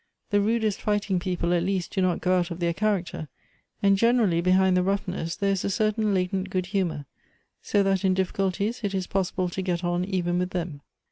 "The rudest fighting jicople at least do not go out of their character, and generally behind the roughness there is a certain latent good humor, so that in difEculties it is possible to get on even with them.